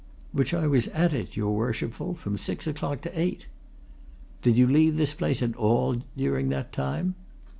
"Which I was at it, your Worshipful, from six o'clock to eight." "Did you leave this place at all during that time?"